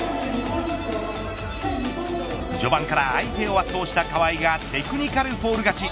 序盤から相手を圧倒した川井がテクニカルフォール勝ち。